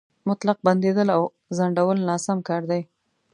مطلق بندېدل او ځنډول ناسم کار دی.